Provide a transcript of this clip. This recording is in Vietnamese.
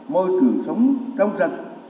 môi trường sống trong sạch